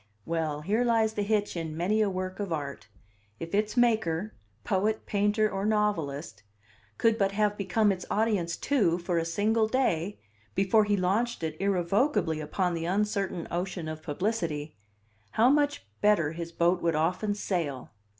Well, here lies the hitch in many a work of art: if its maker poet, painter, or novelist could but have become its audience too, for a single day, before he launched it irrevocably upon the uncertain ocean of publicity, how much better his boat would often sail!